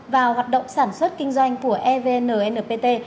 và hoạt động sản xuất kinh doanh của evnnpt